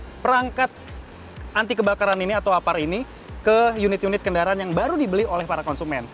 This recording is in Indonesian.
untuk perangkat anti kebakaran ini atau apar ini ke unit unit kendaraan yang baru dibeli oleh para konsumen